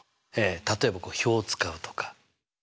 例えば表を使うとか。